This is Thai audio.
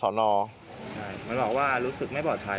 เหมือนบอกว่ารู้สึกไม่ปลอดภัย